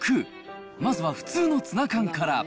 まずは普通のツナ缶から。